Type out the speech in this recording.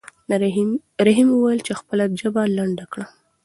رحیم وویل چې خپله ژبه لنډه کړه.